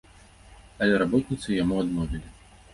Але работніцы і яму адмовілі.